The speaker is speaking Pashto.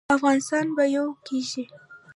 افغانستان به یو کیږي؟